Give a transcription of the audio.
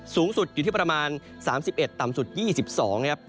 สูงสุดอยู่ที่ประมาณ๓๑ต่ำสุด๒๒นะครับ